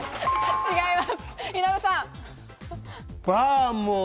違います。